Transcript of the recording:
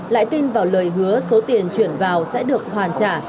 lại tin vào lời hứa số tiền chuyển vào sẽ được hoàn trả